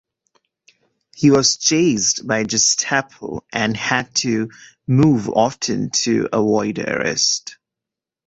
He was chased by Gestapo and had to move often to avoid arrest.